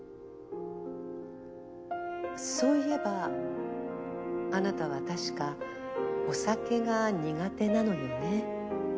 そういえばあなたは確かお酒が苦手なのよね？